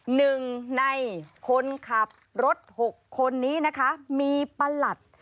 หนึ่งในคนขับรถหกคนนี้นะคะมีประหลัด